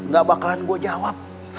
gak bakalan gue jawab